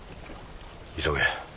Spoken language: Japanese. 急げ。